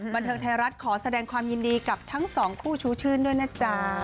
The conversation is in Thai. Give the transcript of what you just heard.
บันเทิงไทยรัฐขอแสดงความยินดีกับทั้งสองคู่ชูชื่นด้วยนะจ๊ะ